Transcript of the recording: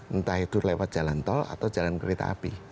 entah itu lewat jalan tol atau jalan kereta api